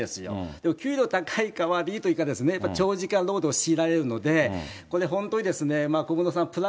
でも給料高いから、悪いけど、長時間労働を強いられるので、これ本当にですね、小室さん、プラ